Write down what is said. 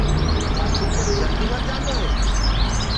ڪآ سوپٽ جلدي مر جآندو هي؟